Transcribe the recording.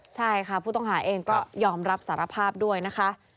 ใช่ค่ะผู้ต้องหาเองก็ยอมรับสารภาพด้วยนะคะ